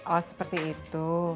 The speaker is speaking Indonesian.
oh seperti itu